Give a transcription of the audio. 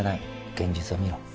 現実を見ろ。